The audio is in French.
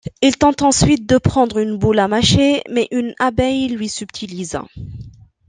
Il tente ensuite de prendre une boule à mâcher mais une abeille lui subtilise.